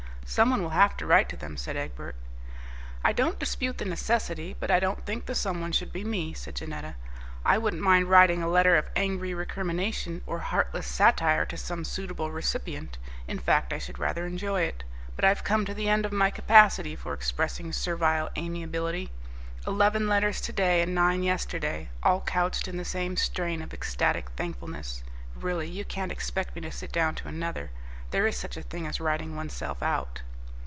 "Some one will have to write to them," said Egbert. "I don't dispute the necessity, but I don't think the some one should be me," said Janetta. "I wouldn't mind writing a letter of angry recrimination or heartless satire to some suitable recipient; in fact, I should rather enjoy it, but I've come to the end of my capacity for expressing servile amiability. Eleven letters to day and nine yesterday, all couched in the same strain of ecstatic thankfulness: really, you can't expect me to sit down to another. There is such a thing as writing oneself out."